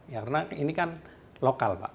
karena ini kan lokal pak